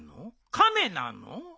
亀なの？